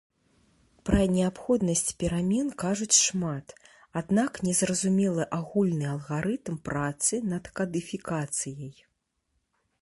Пра неабходнасць перамен кажуць шмат, аднак не зразумелы агульны алгарытм працы над кадыфікацыяй.